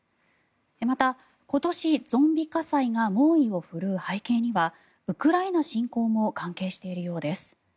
また今年、ゾンビ火災が猛威を振るう背景にはウクライナ侵攻も関係しているようです。